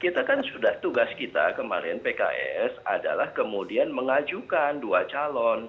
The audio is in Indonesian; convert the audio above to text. kita kan sudah tugas kita kemarin pks adalah kemudian mengajukan dua calon